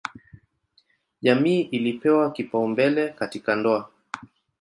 Jamii ilipewa kipaumbele katika ndoa.